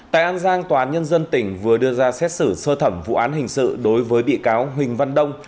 tại an giang tòa án nhân dân tỉnh vừa đưa ra xét xử sơ thẩm vụ án hình sự đối với bị cáo huỳnh văn đông